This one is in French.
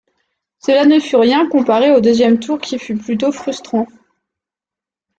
Cela ne fut rien comparé au deuxième tour qui fut plutôt frustrant.